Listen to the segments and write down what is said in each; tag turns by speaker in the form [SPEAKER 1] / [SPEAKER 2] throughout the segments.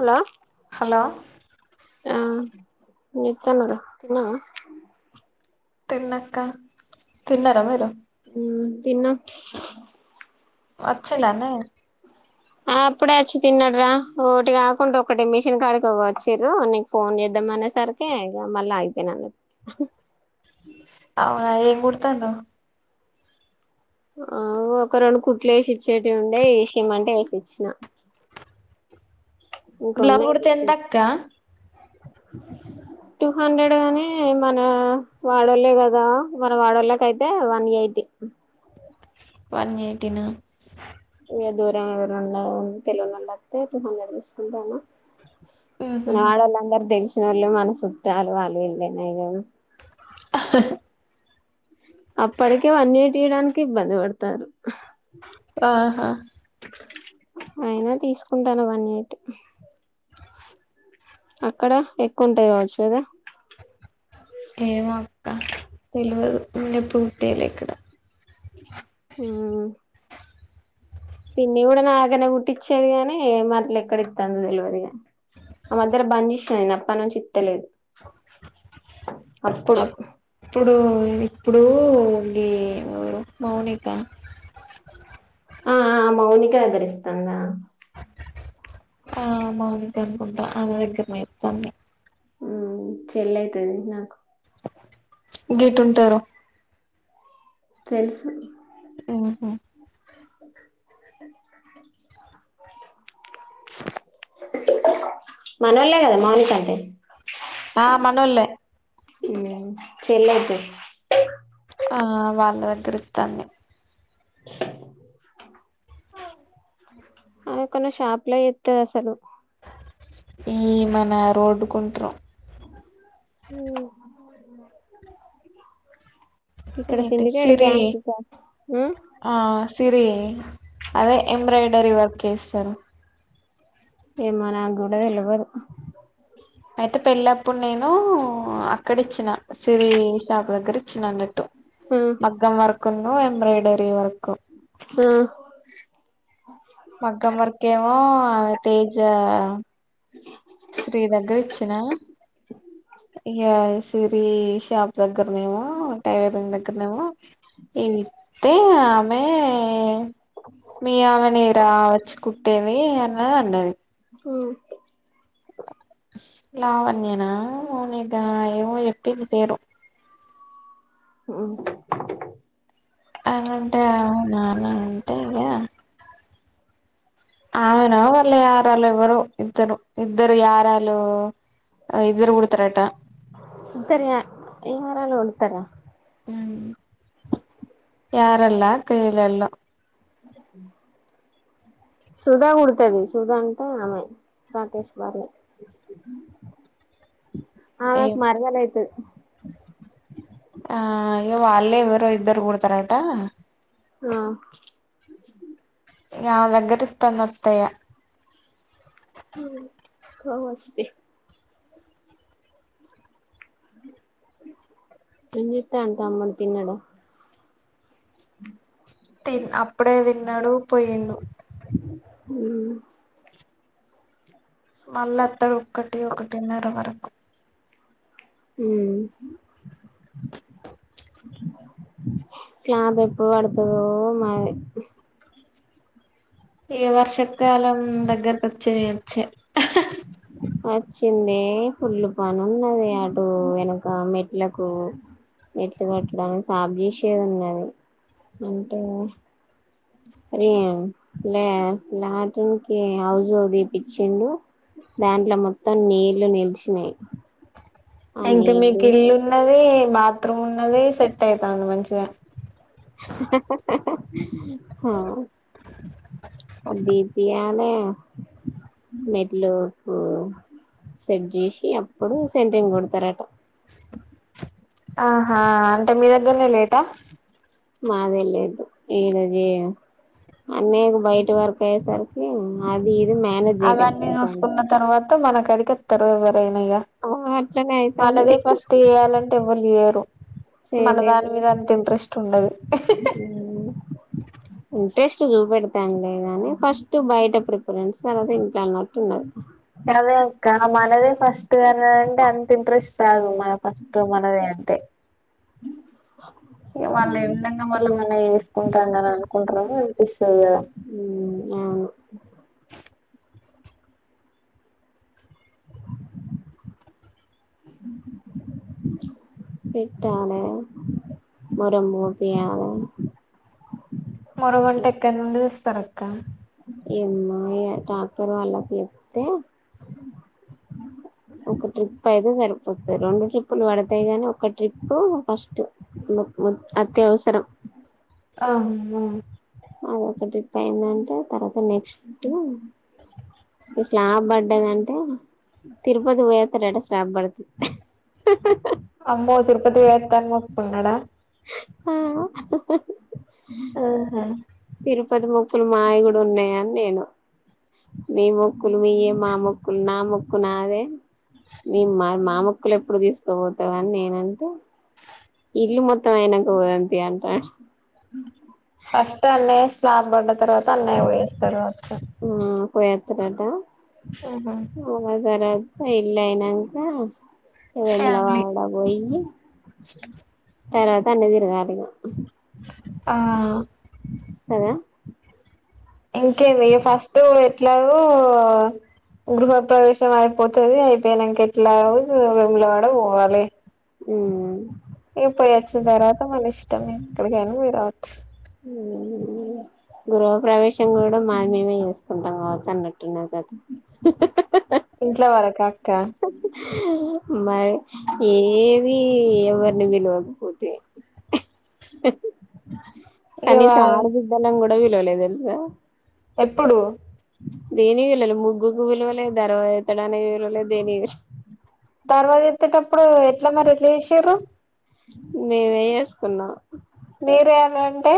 [SPEAKER 1] Hello
[SPEAKER 2] hello
[SPEAKER 1] ఆ నిత్తనరు తిన్నవ
[SPEAKER 2] తిన్నక్క తిన్నార మీరు
[SPEAKER 1] ఉమ్ తిన్న
[SPEAKER 2] వచ్చిండాన్నయ్య
[SPEAKER 1] ఆ అప్పుడే వచ్చి తిన్నాడు రా ఒకటి కాకుండా ఒకటి మిషన్ కాడికి వచ్చారు నీకు ఫోన్ చేద్ద ద మన సార్కే మళ్ళ ఆగిపోయిన అండి
[SPEAKER 2] అవునా ఏంగ్గుడతానావ్
[SPEAKER 1] ఆ ఒక రెండు కుత్లేసిచ్చేటియి సిచ్చేటి ఉండే ఏసీయమంటే వేసిచ్చిన
[SPEAKER 2] బ్లౌజ కుడితే ఎంతక్క
[SPEAKER 1] టూ హండ్రెడ్ గాని మన వాడోళ్లే కదా మన వాడోళ్ళకయితే వన్ ఎయిటి.
[SPEAKER 2] వన్ ఎయిటీనా
[SPEAKER 1] ఏ దూరం ఎవరన్నా తెలవనోళ్ళత్తే టూ హండ్రెడ్ తీసుకుంటన.
[SPEAKER 2] ఊహూ
[SPEAKER 1] మన వాడోళ్ళందరూ తెలిశినోళ్ళే మన సుట్టాలు వాళ్ళు వీళ్ళేనాయే ఇగ. అప్పటికే వన్ ఎయిటి ఇయడానికి ఇబ్బంది పడతాంరు.
[SPEAKER 2] ఆహా
[SPEAKER 1] అయినా తీసుకుంటాన వన్ ఎయిటి. అక్కడ ఎక్కువుంటదు కావచ్చు కదా.
[SPEAKER 2] ఏమో అక్క తెలవదు నేను ఎప్పుడు కుట్టియలే ఇక్కడ.
[SPEAKER 1] ఆ పిన్ని కూడా నా దగ్గరనే కుట్టిచ్చేది కానీ మళ్ళ ఎక్కడ ఇత్తందో తెలవదిగా. ఆ మధ్యల బన్చేశినా నేను అప్పనుంచి. తెలియదు అప్పుడు
[SPEAKER 2] అప్ ఇప్పుడు ఇప్పుడు మీ ఎవరు మౌనిక
[SPEAKER 1] ఆఆ మౌనిక దగ్గర ఇస్తాందా.
[SPEAKER 2] ఆ మౌనిక అనుకుంటా ఆమె దగ్గర్నే ఇత్తాంది.
[SPEAKER 1] ఉ చెల్లె అయితది నాకు.
[SPEAKER 2] గిటు ఉంటరు.
[SPEAKER 1] తెలుసు
[SPEAKER 2] ఆహా
[SPEAKER 1] మనోళ్లే కదా మౌనిక అంటే
[SPEAKER 2] ఆ మనోల్లే.
[SPEAKER 1] హ్ చెల్లె అయితది.
[SPEAKER 2] ఆ వాళ్ళ దగ్గర ఇస్తంది.
[SPEAKER 1] అది ఎక్కన్నో షాప్లా చేత్తది అస్సలు.
[SPEAKER 2] ఈ మన రోడ్డుకుంట్రు.
[SPEAKER 1] హ్
[SPEAKER 2] ఏంటి సిరి
[SPEAKER 1] కా
[SPEAKER 2] ఆ సిరి అదే ఎంబ్రాయిడరీ వర్క్ ఎస్తరు.
[SPEAKER 1] ఏమో నాకు కూడా తెలవదు.
[SPEAKER 2] అయితే పెళ్ళప్పుడు నేను అక్కడ ఇచ్చిన సిరీ షాప్ దగ్గర ఇ చ్చిన అనట్టు మగ్గం వర్కు ఉన్ను ఎంబ్రాయిడరీ వర్క్.
[SPEAKER 1] ఆ
[SPEAKER 2] మగ్గం వర్కేమో తేజా శ్రీ దగ్గర ఇచ్చినా, ఇగ సిరి షాప్ దగ్గరనేమో టైలరింగ్ దగ్గరనేమో ఇవి అయితే ఆమె మీ ఆమెనేరా వచ్చి కుట్టేది అని అన్నది. లావణ్యనా మౌనికనా ఎమో చెప్పింది పేరు.
[SPEAKER 1] ఉ
[SPEAKER 2] అనంటే అవునా అని అంటే ఇగ అవునా వాళ్ళు యారలో ఎవరు ఇద్దరు ఇద్దరు యారాలో ఇద్దరు కుడుతరట
[SPEAKER 1] ఏమరాలో ఒండుతర
[SPEAKER 2] యారల్లా కైలెల్లా
[SPEAKER 1] సుధా గుడతది సుధంటే ఆమె రాకష్ భార్య ఆమెక్
[SPEAKER 2] ఏమో
[SPEAKER 1] మరదలైతు
[SPEAKER 2] ఆ ఇగ వాళ్లే ఎవరో ఇద్దరు గుడతరటా
[SPEAKER 1] ఆ
[SPEAKER 2] ఇంగామ దగ్గరిత్తాందత్తయ
[SPEAKER 1] కా వస్తే ఏంజేత్తాంటమన్ తిన్నడ్
[SPEAKER 2] తిన్ అప్పుడే దిన్నాడు పొయిండు
[SPEAKER 1] అ
[SPEAKER 2] మళ్ళత్తడు ఉక్కటే ఒకటున్నరు మరి
[SPEAKER 1] మ్మ్ చాపెప్పుడు బడతుదో మాది
[SPEAKER 2] ఈ వర్షకాలం దగ్గరొ కొచ్చెనేవచ్చే
[SPEAKER 1] వచ్చింది పుల్లు పనున్నది అటు వెనక మెట్లకు ఎట్లు కట్టడానికి సాబ్జేసే ఉన్నది అంటే లే లాటునికి హౌజు తీపిచ్చిండు దాంట్లో మొత్తం నీళ్లు నిలిచినాయి ఆ
[SPEAKER 2] అంటే
[SPEAKER 1] నీళ్లు
[SPEAKER 2] మీకిల్లున్నది బాత్రూమ్ ఉన్నది సెట్ అయితాంది మంచిగా
[SPEAKER 1] హా దీదియా అలే మెట్లోకు సెట్ చేసి అప్పుడు సెంట్రింగ్ గొడతరట
[SPEAKER 2] ఆహా అంటే మీ దగ్గరనే లేటా
[SPEAKER 1] మాదే లేటు ఏడజే అన్నయ్యకు బయట వర్కు అయ్యేసరికి అది ఇది మేనేజ్
[SPEAKER 2] అవన్నీ
[SPEAKER 1] చేయలేకపోతుండు
[SPEAKER 2] చూసుకున్న తర్వాత మనకడికత్తరు ఎవ్వరైనా ఇగ
[SPEAKER 1] అట్లనే అయితాంది
[SPEAKER 2] మనదే ఫస్ట్ ఇయ్యాలన్ ఎవ్వలియరు మన
[SPEAKER 1] చేయలేదు
[SPEAKER 2] దాని మీద అంత ఇంట్రెస్ట్ ఉండది
[SPEAKER 1] టేస్ట్ చూపెడతాను లే గాని ఫస్ట్ బయట ప్రిఫరెన్స్ తర్వాద ఇంట్లో అన్నట్టు ఉండదు
[SPEAKER 2] అదే ఇక్క మనదే ఫస్ట్ అనేదింటే అంత ఇంట్రెస్ట్ రాదు మన ఫస్ట్ మనదే అంటే వాళ్ళు ఎండంగా మళ్ళ ఏమన్నా వేసుకుంటానరు అనుకుంటరేయ్
[SPEAKER 1] అవును
[SPEAKER 2] కదా
[SPEAKER 1] [inaudible] పెట్టాలే వరమ్ బోపియాలె
[SPEAKER 2] మొరగుంటెక్కడి నుండి తెస్తరక్క
[SPEAKER 1] ఏమ్మా డాక్టర్ వాళ్ళకి చెప్తే ఒక ట్రిప్ అయితే సరిపోతుంది రెండు ట్రిప్పులు పడతాయి గాని ఒక ట్రిప్పు ఫస్ట్ అత్యవసరం
[SPEAKER 2] ఆమ్మో
[SPEAKER 1] అదొక ట్రిప్ అయిందంట తర్వాత నెక్స్ట్ స్లాప్ పడ్డదంటే తిరుపతి పోయస్తడట స్లాప్ పడుతే [inaudible]
[SPEAKER 2] ఉన్నాడా
[SPEAKER 1] ఆ
[SPEAKER 2] ఆహా
[SPEAKER 1] తిరుపతి మొక్కులు మాయగుడు ఉన్నాయని నేను మీ మొక్కులు మీయే మా మొక్కులు నా మొక్కు నాదే మ మా మా మొక్కలు ఎప్పుడు తీసుకోపోతావాని నేనంటే ఇల్ మొత్తం అయినాక పోదాం తి అని అంట
[SPEAKER 2] ఫస్ట్ అన్నయ్య స్లాబ్ పడ్డ తర్వాత అన్నయ్య పోయస్తాడు కావచ్చు
[SPEAKER 1] పోయతడట
[SPEAKER 2] ఉహు
[SPEAKER 1] తర్వాత ఇల్లు అయినాక వేముల
[SPEAKER 2] ఫ్యామిలీ
[SPEAKER 1] వాడ పోయి తర్వాత అన్ని తిరుగాలి ఇక
[SPEAKER 2] ఆ
[SPEAKER 1] కదా
[SPEAKER 2] ఇంకేంది ఈ ఫస్ట్ ఎట్లాగో గృహ ప్రవేశం అయిపోతది అయిపోనాక అట్లాగో వేములవాడ పోవాలి
[SPEAKER 1] ఊ
[SPEAKER 2] ఇగ పోయి వచ్చిన తర్వాత మన ఇష్టం ఎక్కడికైనా పోయి రావచ్చు
[SPEAKER 1] మీ అన్నయే గా గృహ ప్రవేశం కూడా మాది మేమే చేసుకుంటాం కావచ్చు అన్నట్టున్నది కదా
[SPEAKER 2] ఇంట్లో వరకా అక్క
[SPEAKER 1] మరి ఏది ఎవరిని విలువకపోతే
[SPEAKER 2] ఇగ వా
[SPEAKER 1] కనీసం ఆడబిడ్డలని కూడా విలువలేదు తెలుసా
[SPEAKER 2] ఎప్పుడు
[SPEAKER 1] దేని విలువలే ముగ్గుకు విలువలేదు ధర్వా ఎతడానికి విలువలేదు దేని వళ్
[SPEAKER 2] తర్వాత ఎతేటప్పుడు ఎట్లా మరి ఎట్లా తీసిరు
[SPEAKER 1] మేమే చేేసుకున్నాం
[SPEAKER 2] మీరే అలా అంటే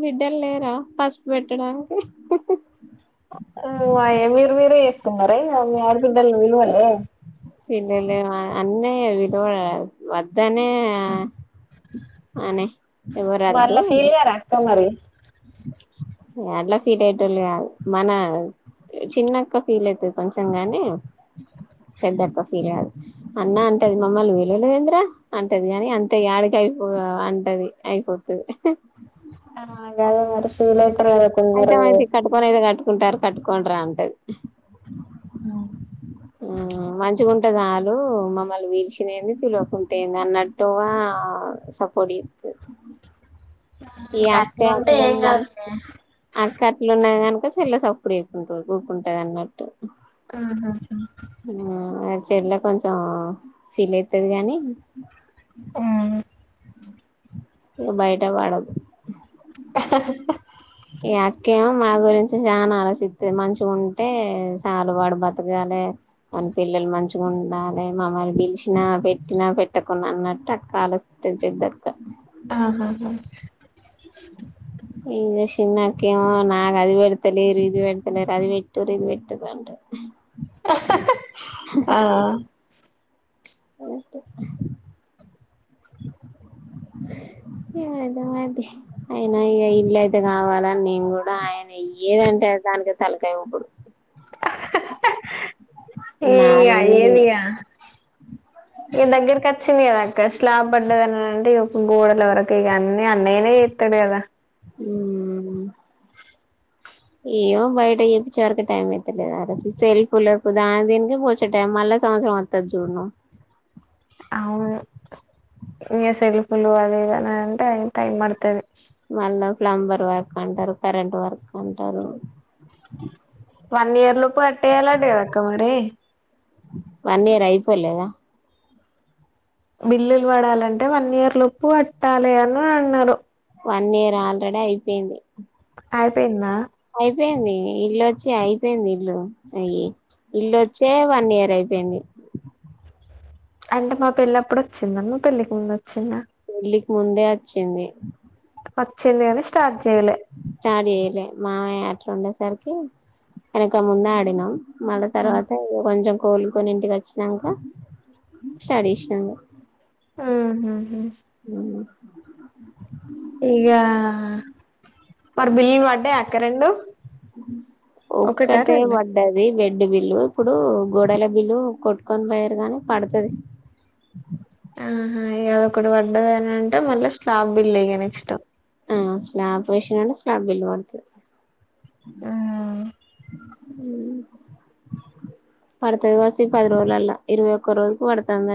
[SPEAKER 1] బిడ్డలు లేరా పసుపు పెట్టడానికి
[SPEAKER 2] తుంగరే మీ ఆడబిడ్డల్ని విల్వలే
[SPEAKER 1] పిల్వలే అన్నయ పిలవడు వద్దనే ఆ అనేే
[SPEAKER 2] వాళ్ళ
[SPEAKER 1] ఎవరదు
[SPEAKER 2] ఫీల్ గారా అక్క మరి
[SPEAKER 1] ఎ అట్లా ఫీట్ అయిటళు కాదు మన చిన్నక్క ఫీల్ అయితది కొంచెం గానీ పెద్దక్క ఫీల్ కాదు అన్న అంటది మమ్మల్ని వీలువలే ఎంద్ర అంటది కాని అంతే యాడికె కయిపో అంటది అయిపోతది
[SPEAKER 2] ఆ గదే మరి ఫీల్ అయ్
[SPEAKER 1] అయితే మాయితే కటుకోనయితే కట్ టారు కట్టుకోరా అంటది ఊ మంచి ఉంటదాలు మమ్మల్ని విలుచూడెంది పిలువకుంటేంది అన్నట్టుగా సపోర్ట్ ఏతది ఈ అక్క
[SPEAKER 2] అట్లుంటే ఏం
[SPEAKER 1] అట్లున్నా
[SPEAKER 2] కాదులే
[SPEAKER 1] అక్క అట్లున్నాగాను చెల్ల సప్పుడు వేకుంట ఊకుంటది అనమాట
[SPEAKER 2] ఊహు హు
[SPEAKER 1] ఆ చెల్ల కొంచం ఫీల్ అయితది గాని
[SPEAKER 2] ఉమ్
[SPEAKER 1] ఏ బయట వాడదు ఈ అక్కేమో మా గురించి చాన ఆలోచిస్త మంచిగ ఉంటే చాలు వాడు బతుక లే వాని పిల్లలు మంచిగా ఉండాలి మమ్మల్ని పిలిచినా పెట్టినా పెట్టకుండా అన్నట్టు అక్క ఆలోచి టుంటిది అక్క
[SPEAKER 2] ఆహాహా
[SPEAKER 1] ఈగ చిన్నకేవొ నాక్ అది పెడతలేరు ఇది పెడత లేరు అది పెట్టు రి ఇది పెట్టురి అంటాడ ఉ
[SPEAKER 2] ఆ
[SPEAKER 1] ఓ ఏద అ అయన ఇక ఇల్లు అయితే కావాలని నేను కూడ ఆయన య్యేదంటే దానికె తలకాయ ఊపుడు
[SPEAKER 2] ఇయ్య
[SPEAKER 1] నాదేం
[SPEAKER 2] ఏంది
[SPEAKER 1] లేదు
[SPEAKER 2] గ ఇన్ దగ్గర్ కొచ్చింది స్లాబ్ పడ్డదన్న అంటే గోడల వరకు ఇగ అన్ని అన్నయనే చేస్తాడు కదా
[SPEAKER 1] ఉ ఏయ్యో బయట చెప్పే వరకి టైం ఎత్తలేదు అంట సెల్ఫ్ లర్పు దాని దీనికి పోచ్చే టైం మళ్ళ సంవత్సరం అంతా జూడను
[SPEAKER 2] అవును ఇ సెల్ఫులు అద ఇదని అంటే టైమ్ పడుతది
[SPEAKER 1] మళ్ళా ప్లంబర్ వర్క్ అంటారు కరెంట్ వర్క్ అంటారు
[SPEAKER 2] వన్ ఇయర్ లోపు అట్టాలంటదక్క మరి
[SPEAKER 1] వన్ ఇయర్ అయిపోలేద
[SPEAKER 2] బిల్లులు పడాలంటే వన్ ఇయర్ లోపు కట్టాలె అని అన్నారు
[SPEAKER 1] వన్ ఇయరా ఆల్రెడీ అయిపోయింది
[SPEAKER 2] అయిపోయింద
[SPEAKER 1] అయిపోయింది ఇల్లుొచ్చి అయిపోయింది ఇల్లు అయ్యి ఇల్లుొచ్చే వన్ ఇయర్ అయిపోయింది
[SPEAKER 2] అంటే మా పెళ్లప్పుడు వచ్చిందా మీ పెళ్ళికి ముందు వచ్చిందా
[SPEAKER 1] పెళ్లికి ముందే వచ్చింది
[SPEAKER 2] వచ్చింది కాని స్టార్ట్ చేయలే
[SPEAKER 1] స్టార్ట్ చేయలే మావయ అట్ల ఉండే సరికి వెనక ముందే ఆడిగినాం మళ్ళా తర్వాత ఇంగ కొంచెం కోలుకొని ఇంటికి వచ్చినాక సరీ అనేషినాంగ
[SPEAKER 2] ఊహుహు ఇగా వర్ బిల్ పడ్డాయ్ అక్క రెండు ఒకటా
[SPEAKER 1] ఒక్కటే
[SPEAKER 2] రెండా
[SPEAKER 1] పడ్డది వె రడ్డి బిల్లు ఇప్పుడు గోడల బిల్లు కొట్టుకొని పోయారు గాని పడుతది
[SPEAKER 2] ఉహు ఇదొ ఒకటి పడ్డదని అంటే మళ్ళీ స్లాబ్ బిల్ వెయ్యాలి ఇక నెక్స్ట్
[SPEAKER 1] మ్ స్లాబ్ వేషినాంటె స్లాబ్ బిల్ కొడుతు హు పడతది వాసి పది రోజులల్లా ఇరవై ఒక్క రోజుకు పడుతందె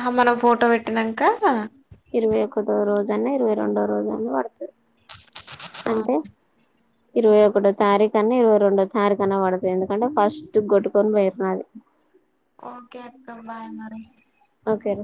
[SPEAKER 2] ఆ మనం ఫోటో పెట్టినంకా
[SPEAKER 1] ఇరవై ఒకటో రోజన్న ఇరవై రెండో రోజన్న పడుతది అంటే ఇరవై ఒకటో తారీఖు అన్నా ఇరవై రెండో తారీఖు అన్నా పడుతది ఎందుకంటే ఫస్ట్ కొట్టుకొని పోయినాది
[SPEAKER 2] ఓకే అక్క బాయ్ మరి
[SPEAKER 1] ఓకే